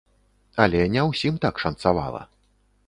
Але не ўсім так шанцавала.